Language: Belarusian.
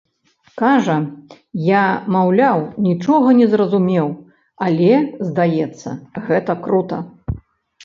Кажа, я, маўляў, нічога не зразумеў, але, здаецца, гэта крута.